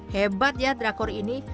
hebat ya drakor ini